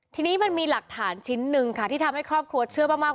ทีนี้มันมีหลักฐานชิ้นหนึ่งค่ะที่ทำให้ครอบครัวเชื่อมาก